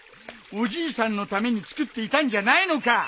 おじいさんのために作っていたんじゃないのか！